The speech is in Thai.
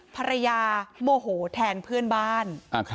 โมโหแทนเพื่อนบ้าน